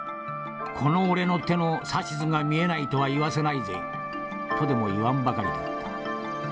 『この俺の手の指図が見えないとは言わせないぜ』とでも言わんばかりだった。